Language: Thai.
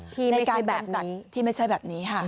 ที่ไม่ใช่แบบนี้ที่ไม่ใช่แบบนี้ฮะ